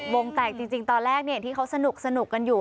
วงแตกจริงตอนแรกที่เขาสนุกกันอยู่